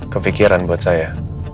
kepikiran buat saya